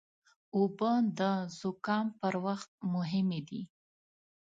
اوبه د زکام پر وخت مهمې دي.